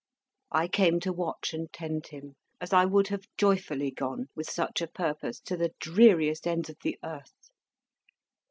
I came to watch and tend him, as I would have joyfully gone, with such a purpose, to the dreariest ends of the earth.